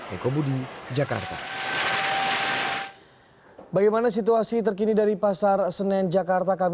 ekobudi jakarta bagaimana situasi terkini dari pasar senen jakarta